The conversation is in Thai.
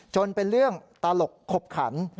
จนเป็นเรื่องตลกขบขัน